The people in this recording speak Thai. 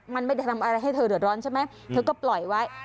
มันไม่ตามอะไรให้เธอเดอร์ล้อนเฉพาะนะเธอก็ปล่อยไว้